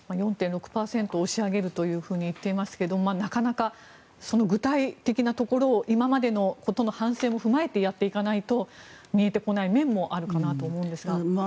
４．６％押し上げると言っていますがなかなかその具体的なところを今までのことの反省も踏まえてやっていかないと見えてこない面もあるかと思うんですが。